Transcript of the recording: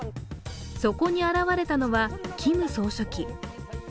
そこに現れたのは、キム総書記。